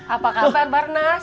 apa kabar barnas